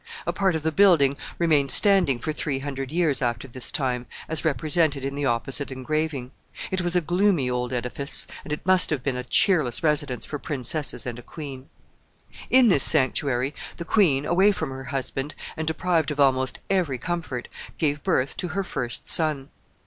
A part of the building remained standing for three hundred years after this time, as represented in the opposite engraving. It was a gloomy old edifice, and it must have been a cheerless residence for princesses and a queen. [Illustration: THE SANCTUARY.] In this sanctuary, the queen, away from her husband, and deprived of almost every comfort, gave birth to her first son.